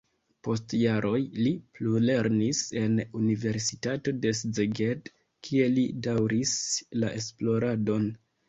Post jaroj li plulernis en universitato de Szeged, kie li daŭris la esploradon.